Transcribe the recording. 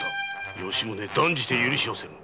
吉宗断じて許しはせぬ。